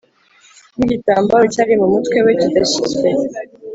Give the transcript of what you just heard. n igitambaro cyari mu mutwe we kidashyizwe